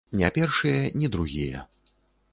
Не першыя, ні другія.